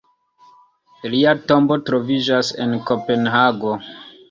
Lia tombo troviĝas en Kopenhago.